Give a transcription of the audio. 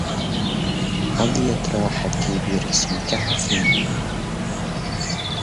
حظيت راحتي برسمك حفني